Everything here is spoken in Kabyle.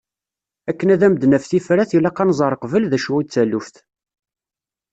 Akken ad am-d-naf tifrat ilaq ad nẓer qbel d acu i d taluft.